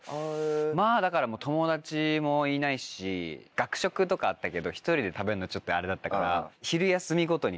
まぁだから友達もいないし学食とかあったけど１人で食べるのちょっとあれだったから。